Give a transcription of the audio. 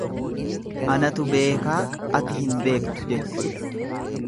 Anatu beekaa, ati hin beektu jechuudha.